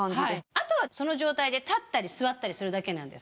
あとはその状態で立ったり座ったりするだけなんです。